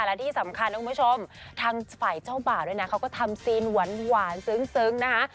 และที่สำคัญนะคุณผู้ชมทางฝ่ายเจ้าบ่าวด้วยนะเขาก็ทำซีนหวานซึ้งนะคะ